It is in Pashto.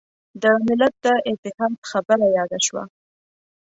د ملت د اتحاد خبره یاده شوه.